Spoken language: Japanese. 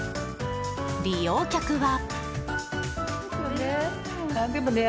利用客は。